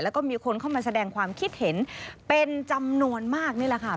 แล้วก็มีคนเข้ามาแสดงความคิดเห็นเป็นจำนวนมากนี่แหละค่ะ